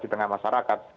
di tengah masyarakat